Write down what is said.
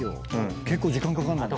結構時間かかるんだね。